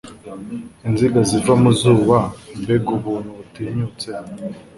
Inziga ziva mu zuba Mbega ubuntu butinyutse